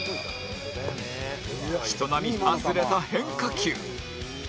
人並み外れた変化球